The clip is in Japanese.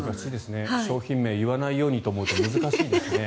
商品名を言わないようにというようになると難しいですね。